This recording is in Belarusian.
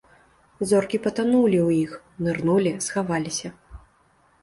Зоркі патанулі ў іх, нырнулі, схаваліся.